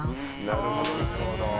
なるほどなるほど。